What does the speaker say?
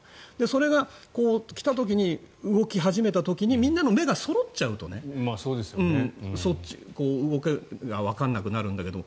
それが来た時に、動き始めた時にみんなの目がそろっちゃうと動きがわからなくなるんだけど